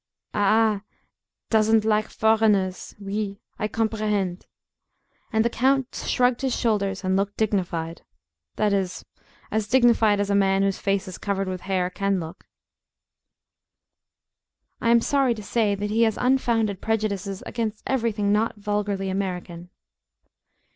"Doesn't like foreigners. Ah! I comprehend," and the count shrugged his shoulders and looked dignified; that is, as dignified as a man whose face is covered with hair can look. "I am sorry to say that he has unfounded prejudices against every thing not vulgarly American."